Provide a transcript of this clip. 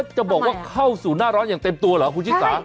จะบอกว่าเข้าสู่หน้าร้อนอย่างเต็มตัวเหรอคุณชิสา